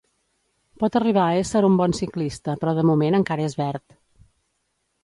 Pot arribar a ésser un bon ciclista, però de moment encara és verd.